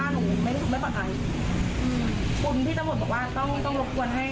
อันนี้หนูเซฟเป็นที่แล้วแต่เหตุการณ์วันนี้